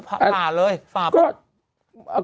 พระเจ้าความแม่นแล้วฝ่าเลย